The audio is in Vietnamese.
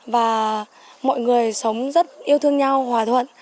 và mọi người sống rất yêu thương nhau hòa thuận